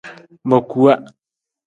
Ma kuwa.